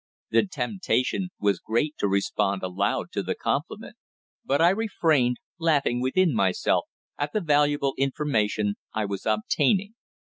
The temptation was great to respond aloud to the compliment; but I refrained, laughing within myself at the valuable information I was obtaining.